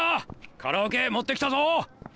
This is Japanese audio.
カラオケ持ってきたぞ！